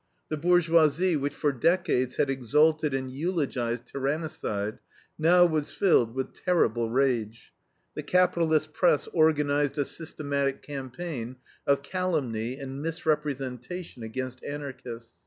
The bourgeoisie, which for decades had exalted and eulogized tyrannicide, now was filled with terrible rage. The capitalist press organized a systematic campaign of calumny and misrepresentation against Anarchists.